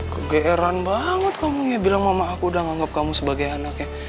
kegeeran banget kamu ya bilang mama aku udah nganggap kamu sebagai anaknya